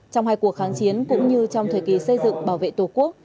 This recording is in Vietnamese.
trong hai cuộc kháng chiến cũng như trong thời kỳ xây dựng bảo vệ tổ quốc